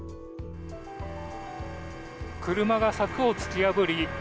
車が柵を突き破り